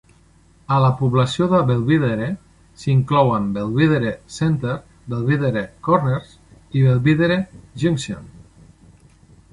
A la població de Belvidere s'inclouen Belvidere Center, Belvidere Corners i Belvidere Junction.